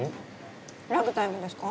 ラグタイムですか？